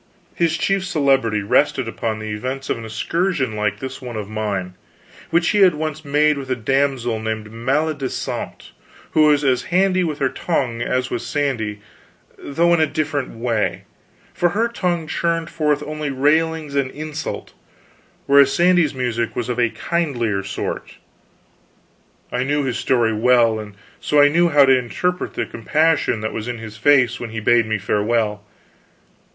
His chief celebrity rested upon the events of an excursion like this one of mine, which he had once made with a damsel named Maledisant, who was as handy with her tongue as was Sandy, though in a different way, for her tongue churned forth only railings and insult, whereas Sandy's music was of a kindlier sort. I knew his story well, and so I knew how to interpret the compassion that was in his face when he bade me farewell.